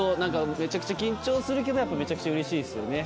めちゃくちゃ緊張するけどめちゃくちゃうれしいっすよね。